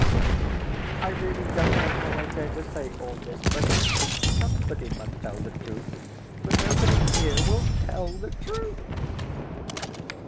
I really don't know how I dare to say all this, but somebody must tell the truth ... for nobody here will tell the truth."